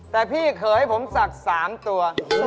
แต่พี่เคยให้ผมศักดิ์๓ตัว๓ตัว